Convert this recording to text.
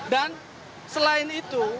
dan selain itu